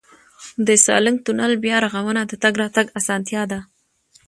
د سالنګ تونل بیا رغونه د تګ راتګ اسانتیا ده.